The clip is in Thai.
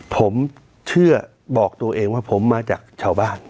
ผมเชื่อบอกตัวเองว่าผมมาจากชาวบ้าน